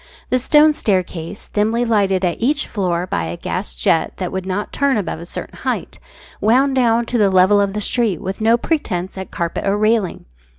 The stone staircase, dimly lighted at each floor by a gas jet that would not turn above a certain height, wound down to the level of the street with no pretence at carpet or railing.